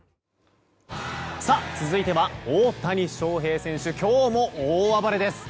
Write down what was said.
続いては、大谷翔平選手今日も大暴れです！